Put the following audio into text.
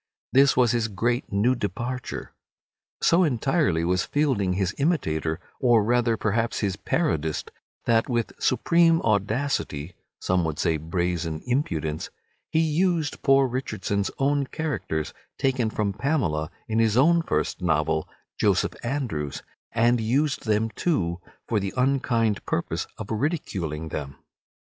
This was his great new departure. So entirely was Fielding his imitator, or rather perhaps his parodist, that with supreme audacity (some would say brazen impudence) he used poor Richardson's own characters, taken from "Pamela," in his own first novel, "Joseph Andrews," and used them too for the unkind purpose of ridiculing them.